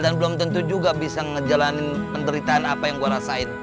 dan belum tentu juga bisa ngejalanin penderitaan apa yang gue rasain